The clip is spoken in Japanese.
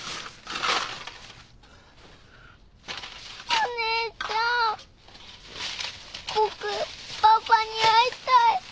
お姉ちゃん僕パパに会いたい。